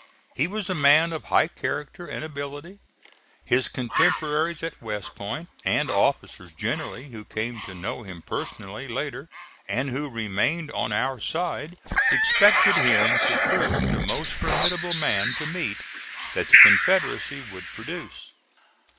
He was a man of high character and ability. His contemporaries at West Point, and officers generally who came to know him personally later and who remained on our side, expected him to prove the most formidable man to meet that the Confederacy would produce.